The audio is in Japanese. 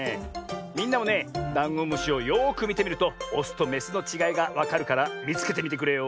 みんなもねダンゴムシをよくみてみるとオスとメスのちがいがわかるからみつけてみてくれよ。